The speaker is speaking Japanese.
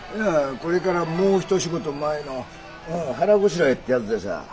これからもう一仕事前の腹ごしらえってやつでさ。